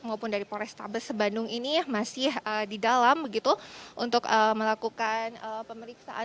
maupun dari polrestabes bandung ini masih di dalam begitu untuk melakukan pemeriksaan